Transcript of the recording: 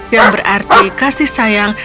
yang berarti kasih sayang